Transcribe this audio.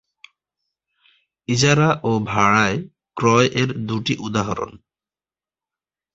ইজারা ও ভাড়ায় ক্রয় এর দুটি উদাহরণ।